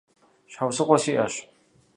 Щхьэусыгъуэ сиӀэщ.